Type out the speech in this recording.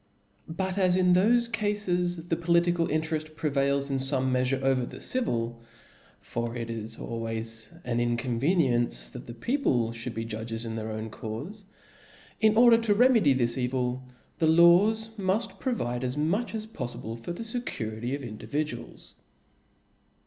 But as in thofe cafes the political intereft prevails in fome meafure over the civil (for it is always an inconveniency that the people (hould be judges in their own caufe), in order to remedy this evil, the laws muft provide as much as poflible for thG fecurity of individuals.